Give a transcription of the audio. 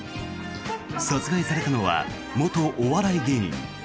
殺害されたのは元お笑い芸人。